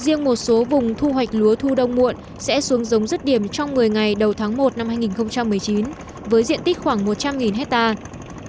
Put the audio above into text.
riêng một số vùng thu hoạch lúa thu đông muộn sẽ xuống giống rứt điểm trong một mươi ngày đầu tháng một năm hai nghìn một mươi chín với diện tích khoảng một trăm linh hectare